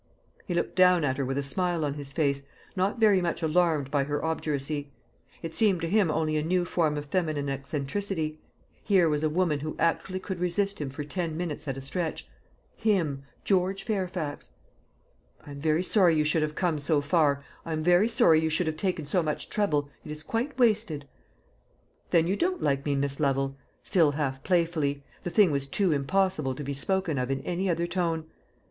He looked down at her with a smile on his face, not very much alarmed by her obduracy. It seemed to him only a new form of feminine eccentricity. Here was a woman who actually could resist him for ten minutes at a stretch him, George Fairfax! "I am very sorry you should have come so far. I am very sorry you should have taken so much trouble; it is quite wasted." "Then you don't like me, Miss Lovel," still half playfully the thing was too impossible to be spoken of in any other tone.